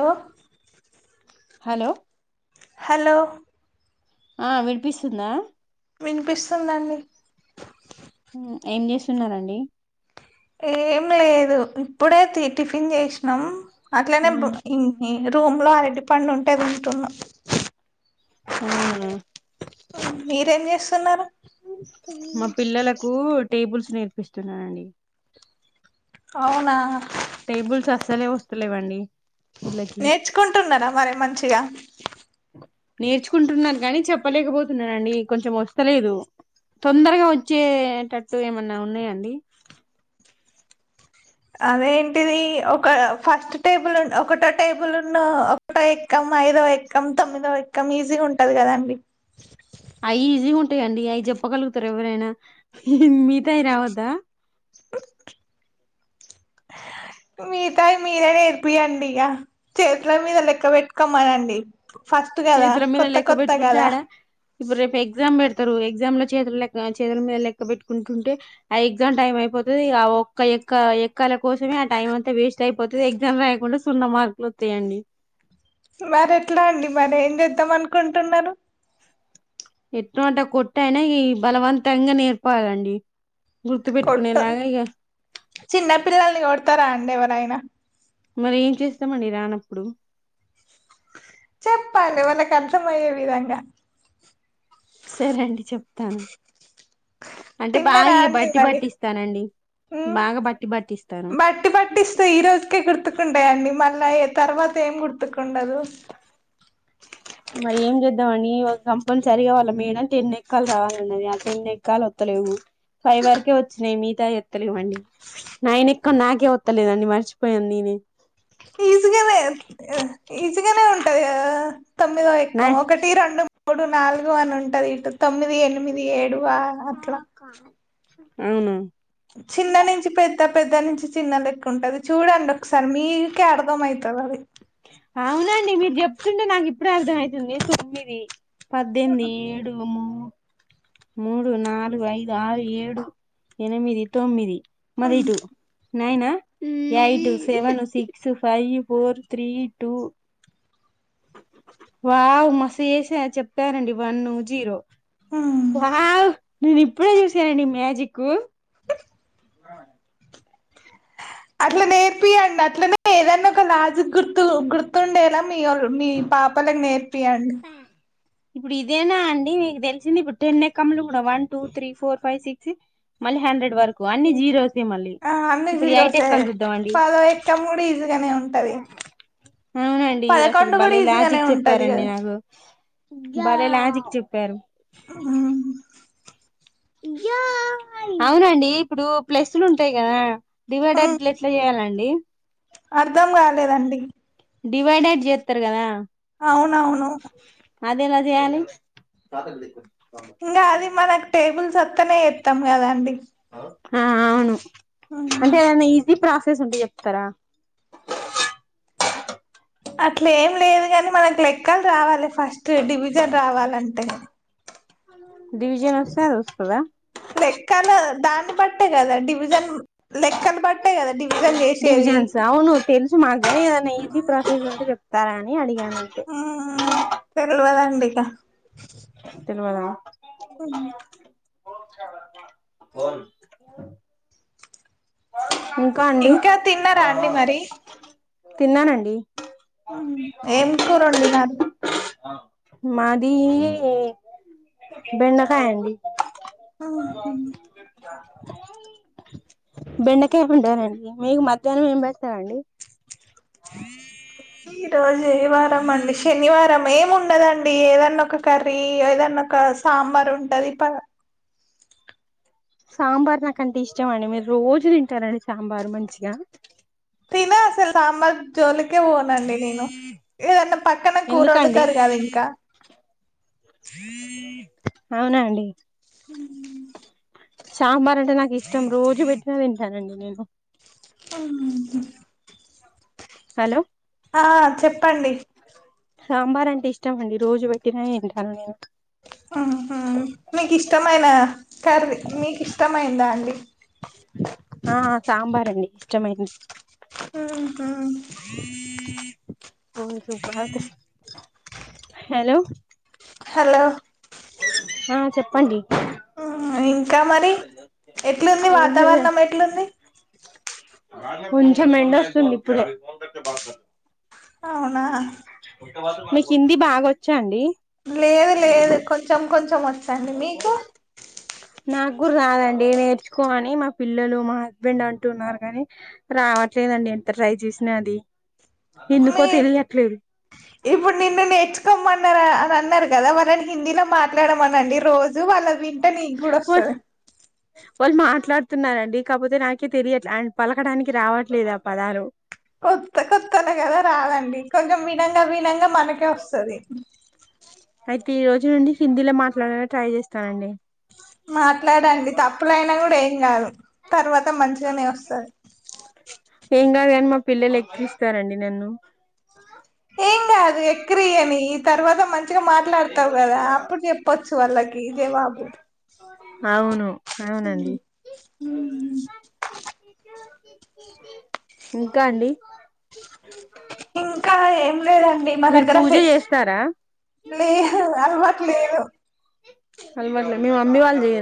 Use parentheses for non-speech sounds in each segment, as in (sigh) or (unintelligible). Hello hello hello ఆ వినిపిస్తుందా వినిపిస్తుందండి ఏం చేస్తున్నరండి ఏం లేదు ఇప్పుడే టిఫిన్ చేసినాం అట్లనే రూమ్ లో అరటిపండు ఉంటేదింటున్నా అవునా మీరేం చేస్తున్నారు మా పిల్లల కు టేబుల్స్ నేర్పిస్తున్నానండి అవునా టేబుల్స్ అసలే వస్తులేవండి నేర్చుకుంటున్నారా మరి మంచిగా నేర్చుకుంటున్నారు కానీ చెప్పలేకపోతున్నానండి కొంచెం వస్తలేదు తొందరగా వచ్చేటట్టు ఏమన్నా ఉన్నాయాండి అదేంటిది ఒక ఫస్ట్ టేబుల్ ఒకటో టేబుల్ ఉన్న ఒకటో ఎక్కం ఐదవ ఎక్కం తొమ్మిదవ ఎక్కం ఈజీగా ఉంటది కదాండి అయి ఈజీగా ఉంటాయిండి అవి చెప్పగలుగుతారు ఎవరైనా మిగతా యి రావద్దా మీిగతాయి మీరే నేర్పిియండి ఇక చేతిలో మీద లెక్క పెెట్టుకోమనండి చేతుల మీద లెక్క పెట్టుకుంటాడా ఇప్పుడు రేపు ఎగ్జామ్ పెడుతు ారు ఎగ్జామ్ లో చేతుల లె చేతుల మీద లెక్క పెట్టుకుంటుంటే ఆ ఎగ్జామ్ టైం అయిపోతుంది ఆ ఒక్క ఎక్క ఎక్కాల కోసమే ఆ టైం అంతా వేస్ట్ అయిపోతుంది ఎగ్జామ్ రాయకుండా సున్నా మార్కులు వస్తాయండి మరి ఎట్లా అండి మరి ఏం చేద్దాం అనుకుంటున్నారు ఎటు అంట కొట్టయినా ఈ బలవంతంగా నేర్పలండి కొట్ చిన్న పిల్లల్ని కోడతారా అండీ ఎవ ఐనా మరి ఏం చేస్తామండి రానప్పుడు చెప్పాలి వాళ్ళకి అర్థమ అర్థమయ్యే ఏ విధంగా సరే అండి చెప్తాను అంటే బాగా తిన్నరా ఇగ అండి బట్టి మరి పట్టిస్తానండి ఉ బాగా బట్టి పట్టిస్తాను బట్టి పట్టి ఇస్తే ఈ రోజుకే గుర్తుకుంటాయండి మళ్ళా తర్వాత ఏం గుర్తుకు ఉండదు మరి ఏం చేద్దామండి కంపల్సరిగా వాళ్లు మేడం టెన్ ఎక్కలు రావాలన్నది ఆ టెన్ ఎక్కలు వత్తలేవు ఫైవ్ వరకే వచ్చినాయి మిగతా వత్తలేయండి నైన్ ఎక్కలు నాకే వత్తలేదండి మర్చిపోయాను నేనే ఈజీగానే ఈజిగానే ఉంటాది కదా తొమ్మిదో నా ఎక్కం ఒకటి రెండు మూడు నాలుగు వని ఉంటది ఇటు తొమ్మిది ఎనిమిది అది ఏడువా అట్లా అవును చిన్న నుంచి పెద్ద పెద్ద నుంచి చిన్న లెక్క ఉంటది చూడండి ఒకసారి మీకే అర్థంమైతు తెల్వది అవునండి మీరు చెప్తుంటే నాకు ఇప్పుడు అర్థం అవుతుంది తొమ్మిది పద్దెనిమిది ఏడు మూ మూడు నాలుగు ఐదు ఆరు ఏడు ఎనిమిది తొమ్మిది మళ్ళ ఇటూ నయినా eight seven six six five four three two wow మస్తు చేస చెప్పారండి వన్ జీరో వావ్ నేను ఇప్పుడే చూసానండి మ్యాజిక్ కు ఆ అట్ల నేర్పియంండి అట్లనే ఏదైన్న ఒక లాజిక్ గుర్తు గుర్తుండేలా మీ మీ పాపలకు నేర్పియ్యండి యండి ఇప్పుడు ఇదేనా అండి మీకు తెలిసింది ఇప్పుడు టెన్ ఎక్కమ్లు కూడా one two three four five six మళ్ళీ హండ్రెడ్ వరకు అన్ని జీరో సే మళ్ళీ ఆ అన్ని ఇప్పుడు ఎయిట్ జీరోసే ఎక్కం చూద్దాం అండి పదో ఎక్కం కూడా ఈజీగానే ఉంటది అవునండి అసలు పదకొండు కూడా భలే ఈజీగానే లాజిక్ ఉంటది చెప్పారండి కదా నాకు బలే లాజిక్ చెప్పారు ఆ అవునండి ఇప్పుడు ప్లేస్సులు ఉంటాయి కదా డివైడర్ల ఎట్లా చేయాలండి అర్ధం కాలేదండి డివైడడ్ చేతరు కదా అవునవును అదెలా చేయాలి ఇంగ అది మనకి టేబుల్ వస్తేనే చేస్తాం కదండి ఆ అవును అంటే ఏదన్న ఈజీ ప్రా సెస్ ఉంటే చెప్తారా అట్ల ఏం లేదు గని మనకు లెక్కలు రావాలి ఫస్ట్ ట్ డివిజన్ రావాలంటే డివిజన్ వస్తే అది వస్తదా లెక్కలు దాన్ని బట్టే కదా అండి డివి లెక్కలు బట్టే కదా డివి డివిజన్స్ అవును తెలుసు మాకుగానీ ఏదైనా ఈజీ ప్రాసెస్ అంట చెప్ తారని అడిగా అంతే మ్మ్ (unintelligible) అం ఫోన్ ఇంకా తిన్నారా అండి మరి తిన్నానండి ఏం కూరొండినా మాది బెండకాయ అండి ఆహు బెండకాయ వండానన్ మీకు మధ్యానం ఏం పెడ్తారండి ఈ రోజు ఏం వారం అండి శనివారం ఏం ఉండదండి ఏదన్నా ఒక కర్రీ ఏదన్నా ఒక సాంబార్ ఉన్ డదిపా సాంబార్ నాకంటే ఇష్టమండి మీరు రోజు తింటారండి సాంబార్ మంచిగా దోలి కే పోనండి నేను ఏదన్నా పక్కన కూర ఎందుకండి వండుతారు కదా ఇంకా అవునా అండి (unintelligible) సాంబార్ అంటే నాకు ఇష్టం రోజూ పెట్టినా తింటానండి నేను అం హలో ఆ చెప్పండి సాంబార్ అంటే ఇష్టం అండి రోజు పెట్టిన తింటాను నేను ఆహా మీకిష్టమైన కర్రీ మీకు ఇష్టమైందా అండి ఆ సాంబార్ అండి ఇష్టమైంది మ్మ్మ్ మ్మ్మ్ హెలో హెలో ఆ చెప్పండి ఇంకా మరి ఎట్లుంది ఏం వాతావరణం ఎట్లుంది కొంచం ఎండోస్తుంది ఇప్పుడే అవునా మీకు హిందీ బాగా వచ్చా అండి తో వోచ్చు అండి మీకు నాకు రాదండి నేర్చుకో అని మా పిల్లలు మా హస్బెండ్ అంటున్నారు గాని రావట్లేదండి ఎంత ట్రై చేసినా అది ఎందుకో మీ తెలియట్లేదు ఇప్పుడు నిన్ను నేర్చుకోమన్నారా అన్నారు కదా వాళ్లని హిందీలో మాట్లాడమనండి రోజు వాళ్ళ వింటే నీకు కూడా పో వస్తది వాళ్లు మాట్లాడు వస్తున్నారండి కాకపోతే నాకే తెలియట్ ఆయనకి పలకడానికి రావట్లేదు ఆ పదాలు కొత్త కొత్తలా కదా రాదండి కొంచెం మీ తల్ల విల్ విన్నంగా మనకే వస్తుంది ఈరోజు నుండి హిందీలో మాట్లాడటానికి ట్రై చేస్తానండి మాట్లాడండి తప్పులైనా కూడా ఏం కాదు తర్వాత మంచి మంచినే వస్తది ఏం కాదు గాని మా పిల్లలు ఎక్కిరిస్తారండి నన్ను ఏం కాదు ఏక్రియని తర్వాత మంచి మంచిగా మాట్లాడతావు కదా అప్పుడు చెప్పచ్చు వాళ్ళకి జావాబు అవును అవునండి ఇంకా అండి ఇంకా ఏం లేదండి మా మీరు దగ్గర పూజ ఫెస్ చేస్తారా లేదు అల్వాటు లేదు అలవట్లే మీ మమ్మీవాళ్ళు చెయా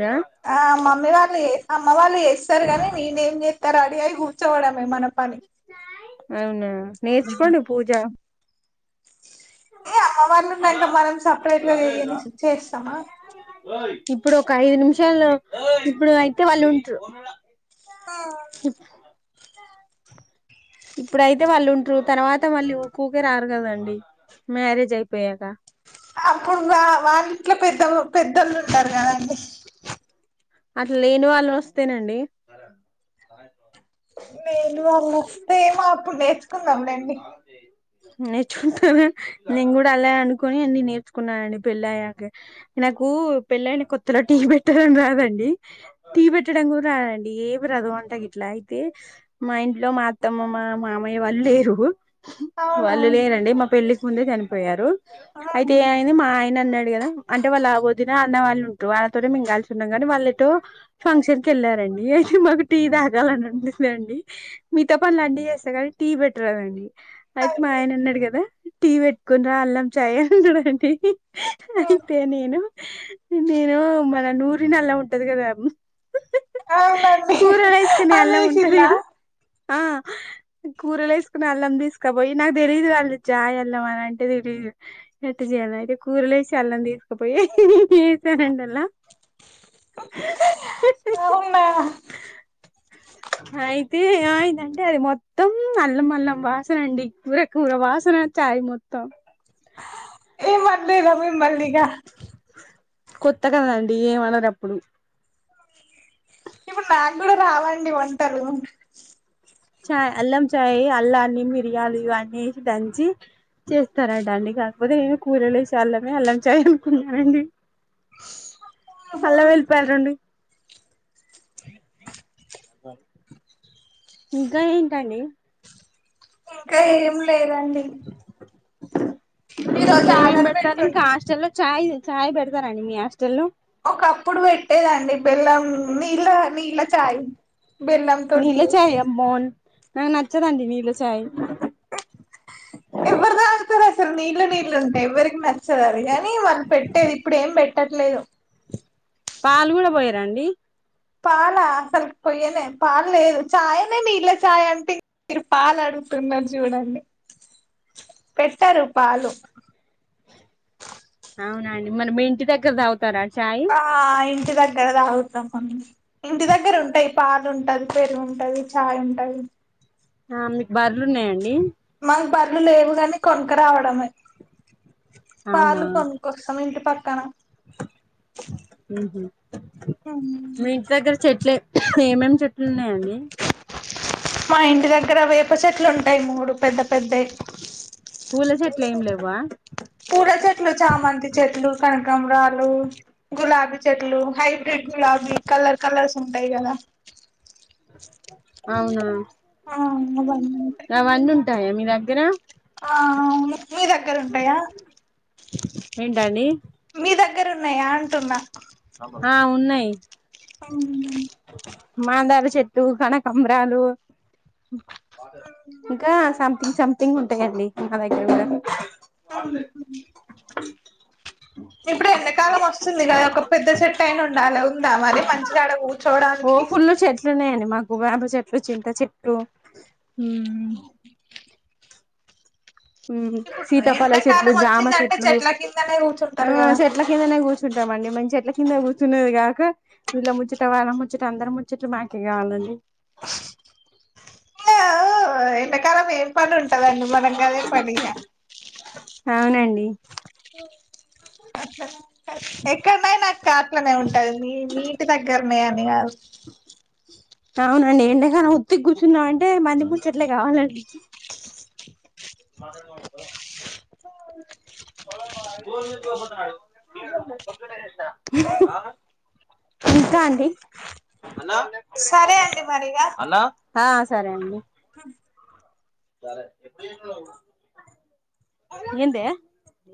ఆ మమ్మీ వాళ్లు ఎ సం. అమ్మ వాళ్ళ ఎస్తరు గానీ నేఎమ్ చేస్ ఇంకా రెడీ అయి కూర్చోవడమే. అదె మన పని. అవునా నేర్చుకోండి పూజ. ఏ అమ్మ వాళ్ళు ఉండంగా మనం సపరేట్ గా చెయ్యని చేస్తామా. చలో ఇప్పుడు అయితే వాళ్ళు ఉంటారు ఈప్స్ ఇప్పుడైతే వాళ్ళు ఉంటురు తర్వాత మళ్ళీ ఊకూకే రారు కదండి మ్యారేజ్ అయిపోయాక. అప్పుడు వా వాళ్ళ ఇంట్లో పెద్ద పెద్దోళ్ళు ఉంటారు కదండి. అట్లా లేని వాళ్లు వస్తేనండి. నేను వాళ్ళు వస్తే మా అప్పుడు నేర్చుకుందాం లెండి. నేర్చుకుంటారు గా నేను కూడా అలా అనుకుని అన్ని నేర్చుకున్నానండి పెళ్ళయ్యాక నాకు పెళ్ళయిన కొత్తలో టీ పెట్టడం రాదండి. టీ పెట్టడం కూడా రాదండీ ఏమి రాదు వంట గిట్లా అయితే మా ఇంట్లో మా అత్తమ్మ మా మామయ్య వాళ్ళు లేరు. అవునా వాళ్ళు లేరండి మా పెళ్ళి. ముందే చనిపోయారు అయితే ఏమైంది మా ఆయన అన్నడు కదా అంటే వాళ్ళ వదిన అన్నవాళ్ళు ఉంటారు వాళ్ళతోనే మేము కలిసి ఉన్నాం కానీ వాళ్ళు. ఏటో ఫంక్షన్ కీ వెళ్ళారండి అయితే మాకు టీ తాగాలని ఉందండి మిగతా పనులన్ని చేస్తా గాని టీ పెట్టరాదండి అయితే మా ఆయన అన్నాడు గదా టీ పెట్టుకుని రా అల్లం చాయ్ అన్నాడండి. అయితే నేను నేను మన నూరిన అల్లం ఉంటది కదా అమ్. అవునండీ అల్లం అదేషిన్లా. కూరల ఏసుకుని అల్లం తీసుకుపోయి నాకు తెలీయదు అల్ల చాయ్ అల్లం అని అంటే తెలీదు ఎట్ట చేయాల అని అయితే కూరల వేసికొనే అల్లం తీసుకుపోయి. వేసానండి అల్ల అవునా అయితే ఏమైందంటే అది మొత్తం అల్లం అల్లం వాసన అండి కూరకూర వాసన చాయ్ మొత్తం‌. ఏమ్ అన్లేదా మిమ్మల్ని ఇగ. కొత్త కద అండి ఏమనరు అప్పుడు. ఇప్పుడు నాకు కూడా రావండి వంటలు. చాయ్ అల్లం చాయ్ అల్లాన్ని మిరియాలు ఇవన్నీ వేసి దంచి చేస్తరట అండి కాకపోతే నేను కూరల వేసే అల్లమే అల్లం చాయ్ అనుకున్నానండి. అల్లవెళ్ళిపోయలు రెండు అ (unintelligible) ఇంకా ఏంటండి. ఇంకా ఏం లేదండి. అ (unintelligible) ఈ రోజు ఆర్డర్ పెట్టుం చాయ్ చాయ్ పెడతారండి మీ హాస్టల్లో ఒకప్పుడు పెట్టేదండి బెల్లం నీళ్ళ నీళ్ల చాయ్ బెల్లంతోటి చేసి నాక్ నచ్చదండి నీళ్లచాయ్ ఎవరు నాటుతారు అసలు నీళ్ళు నీళ్ళు ఉంటే ఎవ్వరికి నచ్చదు అది కాని మనం పెట్టేది ఇప్పుడు ఏం పెట్ట ట్టట్లేయో పాలు కూడా పోయరాండి పాల అసలు పొయ్యనే పాలు లేదు చాయనే నీళ్ళ చాయ్ అంటే మీరు పాలు అంటున్నారు చూడండి పెట్టారు పాలు అవునండి మనం ఇంటి దగ్గర తరా చాయ్ ఆ ఇంటి దగ్గర తాగుతాం ఇంటి దగ్గర ఉంటాయి పాలు ఉంటది పెరుగు ఉంటది చాయ్ ఉంటది ఆ మీకు బర్లు ఉన్నాయండి మకు బళ్లు లేవు కాని కొనక రావడమే అవునా పాలు కొనుక్కొస్తాం ఇంటి పక్కన ఉహు మీ ఇంటి దగ్గర చెట్లే ఏమేమి చెట్లు ఉన్నాయాని మా ఇంటి దగ్గర వేప చెట్లు ఉంటాయి మూడు పెద్ద పెద్ద పూల చెట్లు ఏం లేవా పూల చెట్లు చామంతి చెట్లు కనకాంబ్రాలు గులాబీ చెట్లు హైబ్రిడ్ గులాబీ కలర్ కలర్స్ ఉంటాయి కదా అవునా ఆ అవన్నీ ఉంటాయి అవన్నీ ఉంటాయా మీ దగ్గర ఆఆ మీ దగ్గర ఉంటాయా ఏంటండీ మీ దగ్గర ఉన్నాయా అంటున్నా ఆ ఉన్నాయి అవు మాందర చెట్టు కనకంబరాలు ఇంకా సం ఇ సంథింగ్ ఉంటాయండి మా దగ్గర కూడా ఆ ఇప్పుడు ఎండాకాలం వస్తుంది కద ఒక పె ద్ద సెట్టాయినా ఉండాల ఉందా మరి మంచిగాడ కూ ఓ ఫుల్లు చెట్లున్నాయండి మాకు వేప చెట్లు చింత చెట్టు అ ఆ ఇప్పుడు సీతపల చెట్లు ఎండాకాలం జామ వచ్చిందంటే చెట్లు చెట్ల కిందనే కూర్చుంటారు ఆహ్ కదా చెట్లకిందనే గుచ్చ టామండి మంచిగా చెట్ల కింద కూచున్నది కాక వీళ్ళ ముచ్చుట వాళ్ళ ముచ్చట అందరీ ముచ్చట మాకే కావాలండి హ ఎండకాలం ఏం పని ఉంటదండి మనకు గదే పనిగా అవునండి అట్లనా ఎక్కడనైనా అక్క కాట్లనే ఉంటది మీ మీ ఇంటి దగ్గర నే అనీ కాదు అవునండి ఎండకాలం ఉత్తికూర్చున్నాం అంటే మంది ముచ్చట్లే కావాలండి మా ఇంకా అండి సరే అండి మరిగా ఆ సరే అండి హ ఎందే